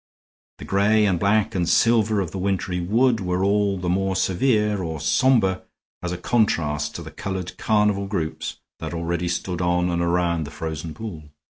The gray and black and silver of the wintry wood were all the more severe or somber as a contrast to the colored carnival groups that already stood on and around the frozen pool.